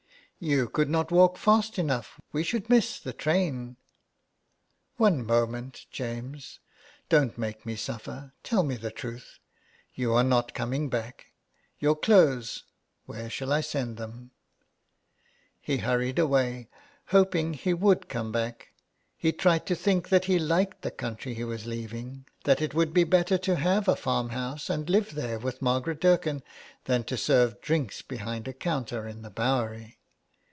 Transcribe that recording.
" You could not walk fast enough. We should miss the train." 171 HOME SICKNESS. " One moment, James. Don't make me suffer ; tell me the truth. You are not coming back. Your clothes — where shall I send them ?" He hurried away, hoping he would come back. He tried to think that he liked the country he was leaving, that it would be better to have a farmhouse and live there with Margaret Dirken than to serve drinks behind a counter in the Bowery.